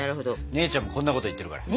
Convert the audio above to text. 姉ちゃんもこんなこと言ってるから。